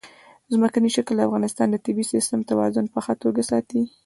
ځمکنی شکل د افغانستان د طبعي سیسټم توازن په ښه توګه ساتي.